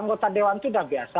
anggota dewan itu sudah biasa